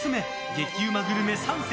激うまグルメ３選。